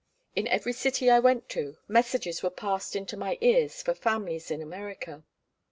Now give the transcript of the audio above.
In every city I went to, messages were passed into my ears for families in America.